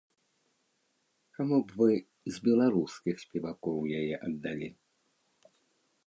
Каму б вы з беларускіх спевакоў яе аддалі?